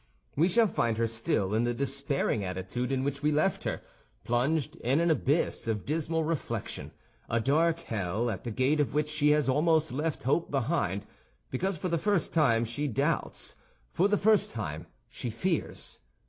We shall find her still in the despairing attitude in which we left her, plunged in an abyss of dismal reflection—a dark hell at the gate of which she has almost left hope behind, because for the first time she doubts, for the first time she fears.